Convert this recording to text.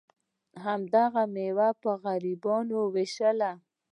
هغه میوه په غریبانو ویشله.